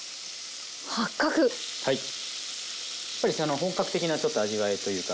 本格的なちょっと味わいというか。